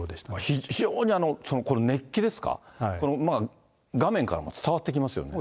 非常に、この熱気ですか、画面からも伝わってきますよね。